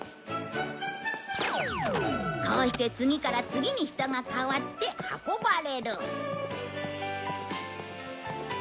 こうして次から次に人が代わって運ばれる。